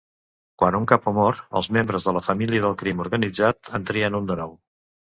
Quan un "capo" mor, els membres de la família del crim organitzat en trien un de nou.